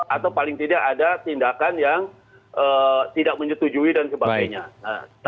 atau paling tidak ada tindakan yang tidak menyetujui dan sebagainya